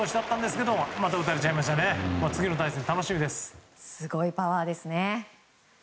すごいパワーですね。